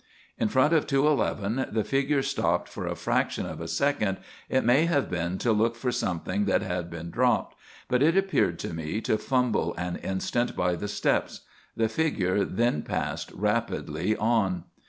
In front of 211 the figure stopped for a fraction of a second, it may have been to look for something that had been dropped; but it appeared to me to fumble an instant by the steps. The figure then passed rapidly on.